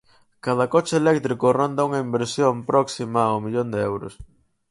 Cada coche eléctrico ronda unha inversión próxima ao millón de euros.